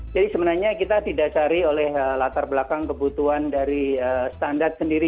jadi sebenarnya kita tidak cari oleh latar belakang kebutuhan dari standar sendiri